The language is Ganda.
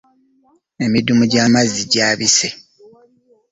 Emiddumu gy'amazzi gyabise.